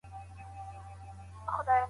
شيطان ته تر ټولو نژدې څوک وي؟